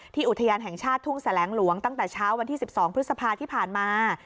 อุทยานแห่งชาติทุ่งแสลงหลวงตั้งแต่เช้าวันที่๑๒พฤษภาที่ผ่านมา